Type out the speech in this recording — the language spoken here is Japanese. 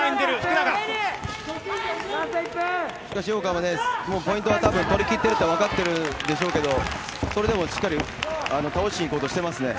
井岡もポイントはたぶん取りきってると分かってるでしょうけどそれでもしっかり倒しにいこうとしていますね。